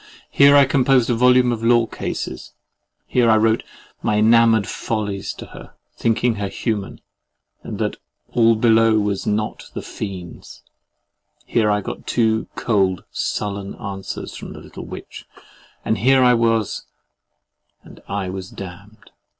here I composed a volume of law cases, here I wrote my enamoured follies to her, thinking her human, and that "all below was not the fiend's"—here I got two cold, sullen answers from the little witch, and here I was —— and I was damned.